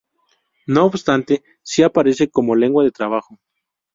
No obstante, sí aparece como lengua de trabajo.